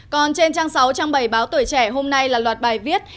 còn trên trang sáu trang bảy báo tuổi trẻ hôm nay là loạt bài viết